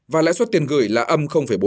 và lãi suất tiền gửi là âm bốn